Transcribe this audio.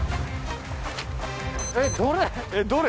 えっどれ？